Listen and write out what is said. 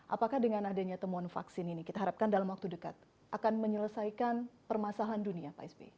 apakah dengan adanya temuan vaksin ini kita harapkan dalam waktu dekat akan menyelesaikan permasalahan dunia pak sby